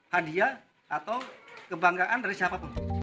hadiah atau kebanggaan dari siapapun